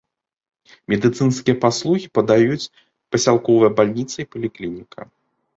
Медыцынскія паслугі падаюць пасялковая бальніца і паліклініка.